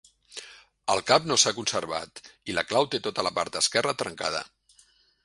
El cap no s'ha conservat i la clau té tota la part esquerra trencada.